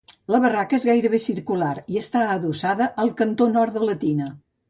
La barraca és gairebé circular i està adossada al cantó nord de la tina.